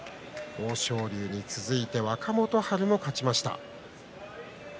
豊昇龍に続いて若元春も勝ちました。